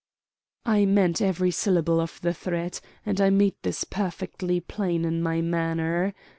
I meant every syllable of the threat, and I made this perfectly plain in my manner.